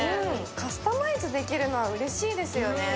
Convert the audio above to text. カスタマイズできるのはうれいしですよね。